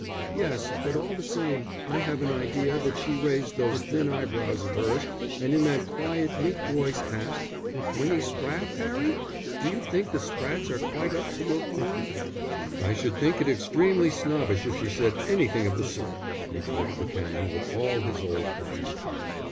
"Yes, but all the same I have an idea that she raised those thin eyebrows of hers and in that quiet, meek voice, asked: 'Winnie Spratte, Harry? Do you think the Sprattes are quite up to your form?'" "I should think it extremely snobbish if she said anything of the sort," retorted the Canon, with all his old fire.